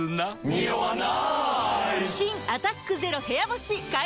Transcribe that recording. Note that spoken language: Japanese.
ニオわない！